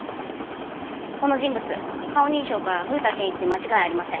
この人物顔認証から古田憲一で間違いありません。